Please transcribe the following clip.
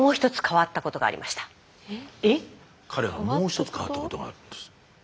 彼がもうひとつ変わったことがあるんです。